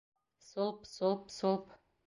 Сулп-сулп-сулп!